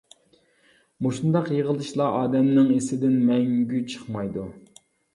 مۇشۇنداق يىغىلىشلار ئادەمنىڭ ئىسىدىن مەڭگۈ چىقمايدۇ.